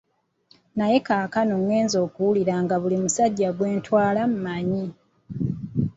Naye kaakano ngenze okuwulira nga buli musajja gwe ntwala amanyi.